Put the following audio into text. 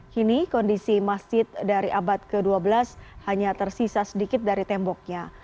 kini kondisi masjid dari abad ke dua belas hanya tersisa sedikit dari temboknya